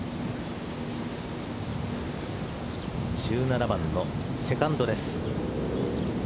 １７番のセカンドです。